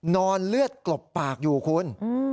นอนเลือดกลบปากอยู่คุณ